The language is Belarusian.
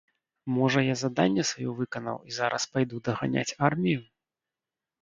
Можа, я заданне сваё выканаў і зараз пайду даганяць армію.